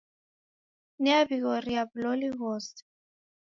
Niaw'ighoria w'uloli ghose